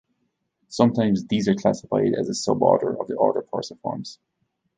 Sometimes these are classified as a suborder of the order Perciformes.